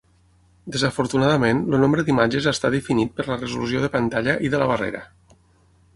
Desafortunadament el nombre d'imatges està definit per la resolució de pantalla i de la barrera.